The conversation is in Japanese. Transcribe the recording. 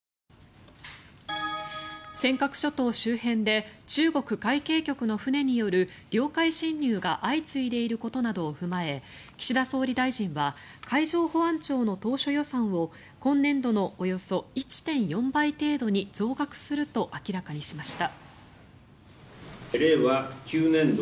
尖閣諸島周辺で中国海警局の船による領海侵入が相次いでいることなどを踏まえ岸田総理大臣は海上保安庁の当初予算を今年度のおよそ１．４倍程度に増額すると明らかにしました。